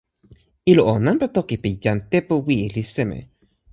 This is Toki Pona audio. ilo o, nanpa toki pi jan Tepu Wi li seme?